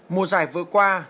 mùa giải vừa qua